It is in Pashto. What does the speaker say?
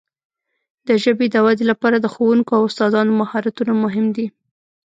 د ژبې د وده لپاره د ښوونکو او استادانو مهارتونه مهم دي.